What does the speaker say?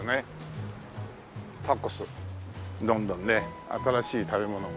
どんどんね新しい食べ物も。